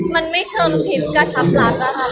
มันไม่เชิญคลิปกระชับลักษณ์